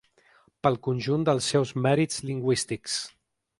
Pel conjunt dels seus mèrits lingüístics.